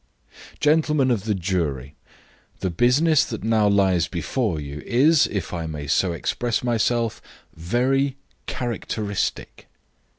"Gentlemen of the jury! The business that now lies before you is, if I may so express myself, very characteristic."